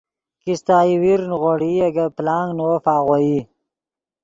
کیستہ یوویر نیغوڑئی اے گے پلانگ نے وف آغوئی